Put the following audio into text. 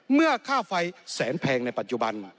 เมื่อค่าไฟแสนแพงในปัจจุบัน